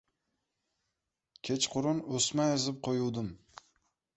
— Kechqurun o‘sma ezib qo‘yuvdim.